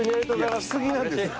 来すぎなんです。